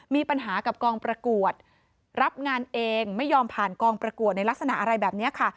มีปัญหากับกองประกวดรับงานเองไม่ยอมผ่านกองประกวดในลักษณะอะไรแบบนี้ค่ะ